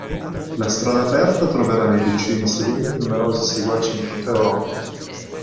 La strada aperta troverà nei decenni seguenti numerosi seguaci in tutta Europa.